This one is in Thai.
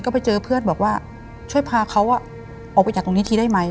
ก็ไปเจอเพื่อนบอกว่าช่วยพาเขาออกไปจากตรงนี้ทีได้ไหม